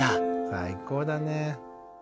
最高だね。